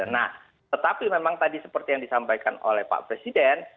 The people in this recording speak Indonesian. nah tetapi memang tadi seperti yang disampaikan oleh pak presiden